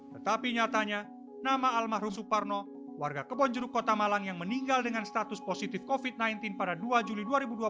tetapi nyatanya nama almarhum suparno warga kebonjeruk kota malang yang meninggal dengan status positif covid sembilan belas pada dua juli dua ribu dua puluh